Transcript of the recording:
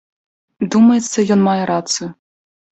Думаецца, ён мае рацыю.